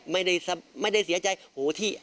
ไม่ได้เสียใจที่บ้านอาจารย์เยอะ